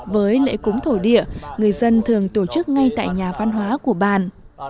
với lễ cúng thổ địa người dân thường tổ chức ngay tại nhà văn hóa của bàn